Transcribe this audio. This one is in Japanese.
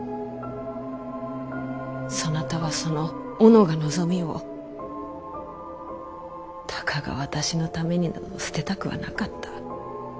そなたはその己が望みをたかが私のためになど捨てたくはなかった。